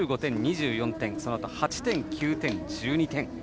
１５点、２４点そのあと８点、９点、１２点。